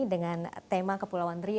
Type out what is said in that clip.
dengan tema kepulauan riau